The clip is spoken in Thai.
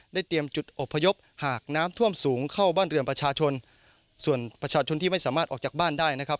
เตรียมจุดอบพยพหากน้ำท่วมสูงเข้าบ้านเรือนประชาชนส่วนประชาชนที่ไม่สามารถออกจากบ้านได้นะครับ